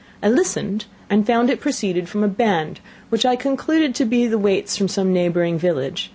I listened, and found it proceeded from a band, which I concluded to be the waits from some neighbouring village.